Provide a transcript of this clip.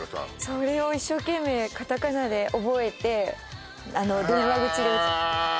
それを一生懸命カタカナで覚えて電話口でへえ